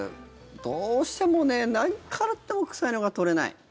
どうしてもね、何回洗っても臭いのが取れない。